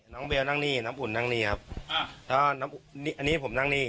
เบลนั่งนี่น้ำอุ่นนั่งนี่ครับแล้วน้ำอุ่นอันนี้ผมนั่งนี่